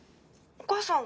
お母さん！